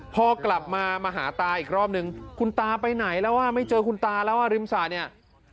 พอกลับมามาหาตาอีกรอบนึงคุณตาไปไหนแล้วอ่ะไม่เจอคุณตาแล้วอ่ะริมสระเนี่ย